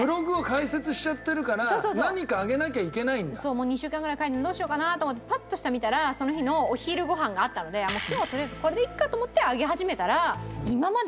もう２週間ぐらいどうしようかな？と思ってパッと下を見たらその日のお昼ご飯があったので今日はとりあえずこれでいいかと思ってあげ始めたら今までにないくらい反響があって。